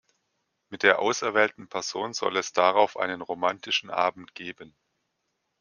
Mit der auserwählten Person soll es darauf einen "romantischen Abend" geben.